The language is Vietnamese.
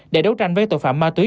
để đấu tranh với tội phạm ma túy